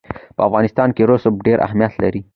په افغانستان کې رسوب ډېر اهمیت لري.